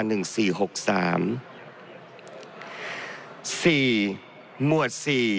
๔หมวด๔